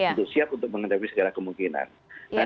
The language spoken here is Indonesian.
untuk siap untuk menghadapi segala kemungkinan